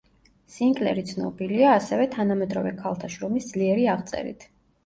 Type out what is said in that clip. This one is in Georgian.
სინკლერი ცნობილია, ასევე, თანამედროვე ქალთა შრომის ძლიერი აღწერით.